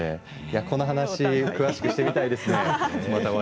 この話、詳しくしてみたいですね